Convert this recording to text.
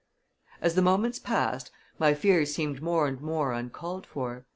As the moments passed, my fears seemed more and more uncalled for.